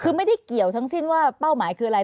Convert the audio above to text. คือไม่ได้เกี่ยวทั้งสิ้นว่าเป้าหมายคืออะไร